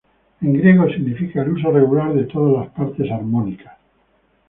En griego significa el uso regular de todas las partes armónicas.